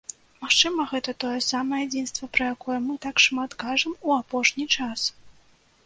Магчыма, гэта тое самае адзінства, пра якое мы так шмат кажам у апошні час.